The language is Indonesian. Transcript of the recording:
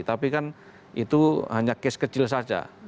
tapi kan itu hanya case kecil saja